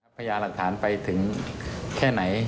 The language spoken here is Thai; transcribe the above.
ข้อมูลต่างนะครับเพื่อพิสูจน์